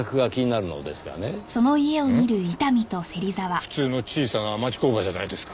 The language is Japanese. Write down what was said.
普通の小さな町工場じゃないですか。